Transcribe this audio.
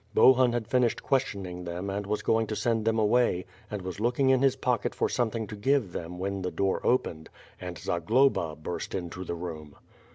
Bohun had finished questioning them and was going to send them away, and was looking in his pocket for somethng to give them when the door opened, and Zagloba burst into the room.